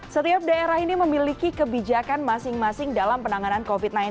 setiap daerah ini memiliki kebijakan masing masing dalam penanganan covid sembilan belas